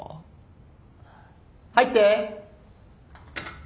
入って。